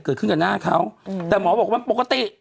เกิดขึ้นกับหน้าเขาแต่หมอบอกว่าปกติ